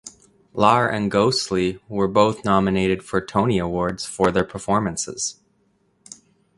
Lahr and Ghostley were both nominated for Tony Awards for their performances.